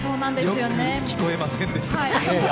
よく聞こえませんでした。